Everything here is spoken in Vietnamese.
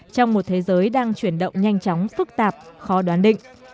trong một thế giới đang chuyển động nhanh chóng phức tạp khó đoán định